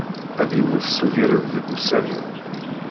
Ad yewwet s ugrez deg ussan-iw.